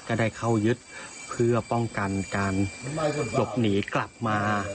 ก็ได้เข้ายึดเพื่อป้องกันการหลบหนีกลับมา